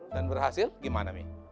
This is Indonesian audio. dan berhasil gimana mi